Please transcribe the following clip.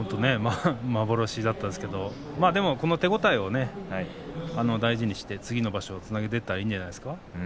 幻だったですけれどこの手応えを大事にして次の場所につなげていったらいいんじゃないですか。